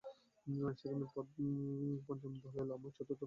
সেখানে পঞ্চম দলাই লামা ও চতুর্থ পাঞ্চেন লামা তাকে ভিক্ষুর শপথ প্রদান করেন।